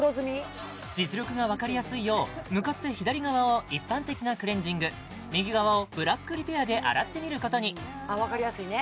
実力がわかりやすいよう向かって左側を一般的なクレンジング右側をブラックリペアで洗ってみることにわかりやすいね